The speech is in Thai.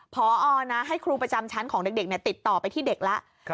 พอให้ครูประจำชั้นของเด็กติดต่อไปที่เด็กแล้ว